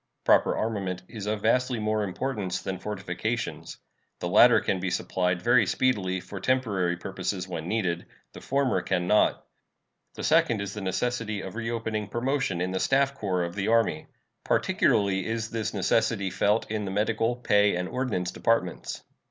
Proper armament is of vastly more importance than fortifications. The latter can be supplied very speedily for temporary purposes when needed; the former can not. The second is the necessity of reopening promotion in the staff corps of the Army. Particularly is this necessity felt in the Medical, Pay, and Ordnance departments.